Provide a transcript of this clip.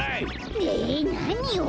えなにを？